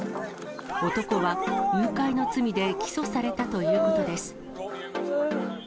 男は、誘拐の罪で起訴されたということです。